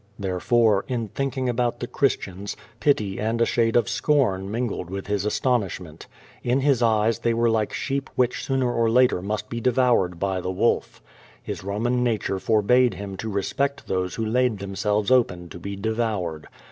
Therefore, in thinking about the Christians, pity and a shade of scorn mingled with his astonishment. In his eyes they were like sheep which sooner or later must be devoured by the wolf. His Soman nature forbade him to respect those who laid themselves open to be devoured.